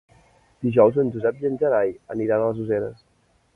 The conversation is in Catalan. Dijous en Josep i en Gerai aniran a les Useres.